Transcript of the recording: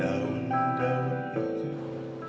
yang betul itu